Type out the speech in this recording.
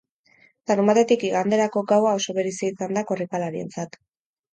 Larunbatetik iganderako gaua oso berezia izan da korrikalarientzat.